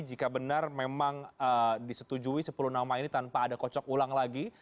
jika benar memang disetujui sepuluh nama ini tanpa ada kocok ulang lagi